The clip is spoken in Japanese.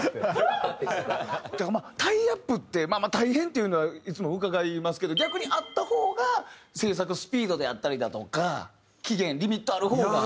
っていうのはいつも伺いますけど逆にあった方が制作スピードであったりだとか期限リミットある方が。